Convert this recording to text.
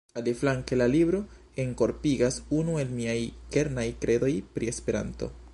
Aliflanke, la libro enkorpigas unu el miaj kernaj kredoj pri Esperanto.